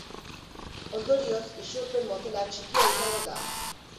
Ondorioz isurpen-motela txikia izango da.